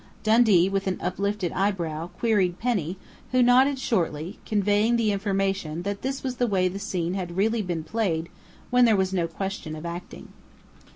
Dundee, with uplifted eyebrow, queried Penny, who nodded shortly, conveying the information that this was the way the scene had really been played when there was no question of acting.